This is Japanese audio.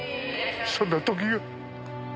そんな時が。